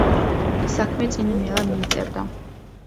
საქმე წინ ნელა მიიწევდა.